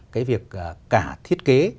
cái việc cả thiết kế